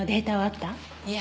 いえ。